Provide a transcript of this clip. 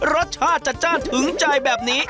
รสชาติจัดจ้านถึงใจแบบนี้